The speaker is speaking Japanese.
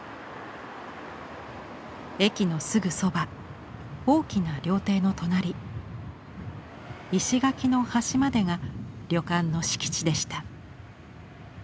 駅のすぐそば大きな料亭の隣石垣の端までが旅館の敷地でした。